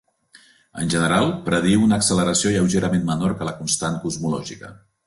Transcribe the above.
En general, prediu una acceleració lleugerament menor que la constant cosmològica.